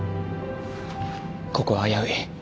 ここは危うい。